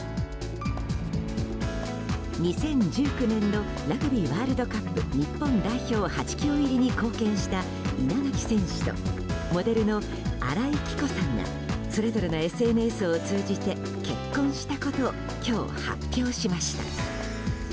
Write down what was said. ２０１９年のラグビーワールドカップ日本代表８強入りに貢献した稲垣選手とモデルの新井貴子さんがそれぞれのＳＮＳを通じて結婚したことを今日、発表しました。